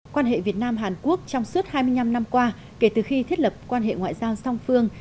quan hệ việt nam hàn quốc trong suốt hai mươi năm năm qua kể từ khi thiết lập quan hệ ngoại giao song phương